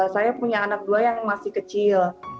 saya punya anak dua yang masih kecil